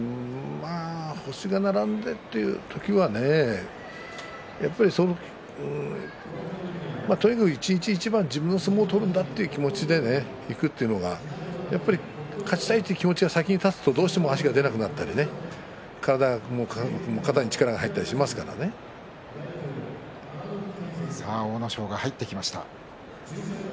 星が並んでという時はとにかく一日一番、自分の相撲を取るんだという気持ちでいくというのがやっぱり勝ちたいという気持ちが先に立つとどうしても足が出なくなったり体も肩に阿武咲が入ってきました。